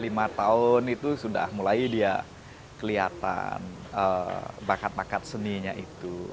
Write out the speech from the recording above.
lima tahun itu sudah mulai dia kelihatan bakat bakat seninya itu